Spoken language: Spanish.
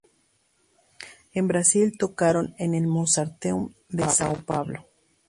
En Brasil tocaron en el Mozarteum de São Paulo.